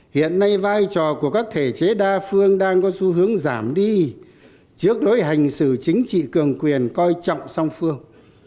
hiện nay vai trò của các thể chế đa phương đang có xu hướng giảm đi trước đối hành xử chính trị cường quyền coi trọng song phương